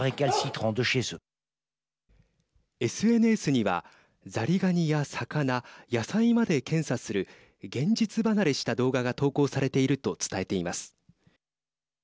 ＳＮＳにはザリガニや魚、野菜まで検査する現実離れした動画が投稿されていると伝えています。